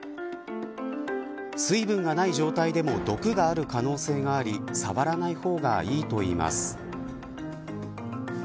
水分がない状態でも毒がある可能性があり触らない方がいいといいます。